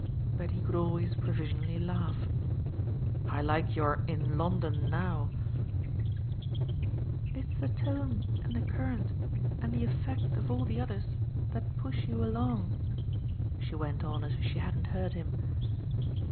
But he could always provisionally laugh. "I like your 'in London now'!" "It's the tone and the current and the effect of all the others that push you along," she went on as if she hadn't heard him.